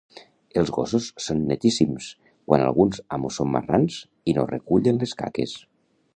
Els gossos son netíssims quan alguns amos són marrans i no recullen les caques